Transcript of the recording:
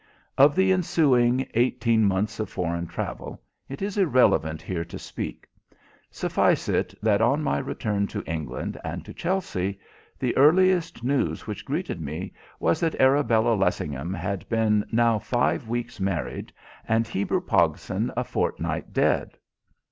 Of the ensuing eighteen months of foreign travel it is irrelevant here to speak. Suffice it that on my return to England and to Chelsea, the earliest news which greeted me was that Arabella Lessingham had been now five weeks married and Heber Pogson a fortnight dead.